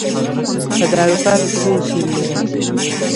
تدارکات څه اصول لري؟